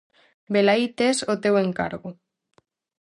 Velaí tes o teu encargo.